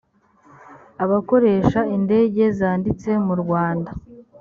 abakoresha indege zanditse mu rwanda